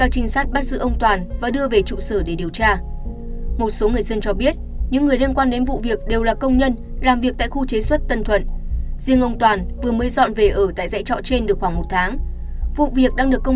các bạn hãy đăng ký kênh để ủng hộ kênh của chúng mình nhé